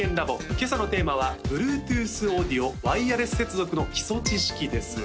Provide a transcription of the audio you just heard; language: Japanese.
今朝のテーマは「Ｂｌｕｅｔｏｏｔｈオーディオワイヤレス接続の基礎知識」です